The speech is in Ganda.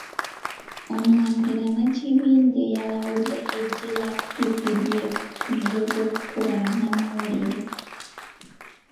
Omulangira Nakibinge yalabudde eggye lya UPDF ku muze gw'okukuba bannamawulire